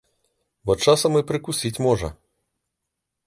Бо часам і прыкусіць можа.